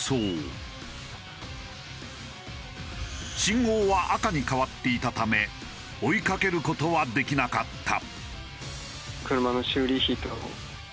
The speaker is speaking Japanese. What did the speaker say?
信号は赤に変わっていたため追いかける事はできなかった。